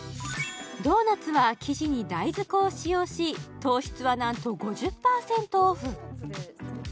ドーナツは生地に大豆粉を使用し糖質はなんと５０％オフ